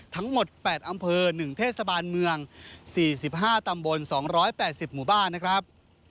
ทั้งหมด๘อำเภอ๑เทศบาลเมือง๔๕ตำบล๒๘๐หมู่บ้านนะครับ